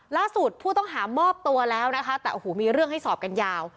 ล่าสุดผู้ต้องหามอบตัวแล้วนะคะแต่โอ้โหมีเรื่องให้สอบกันยาว